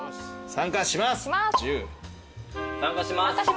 参加します。